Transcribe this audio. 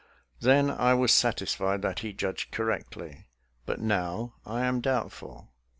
Then I was satisfied that he judged correctly, but now I am doubtful.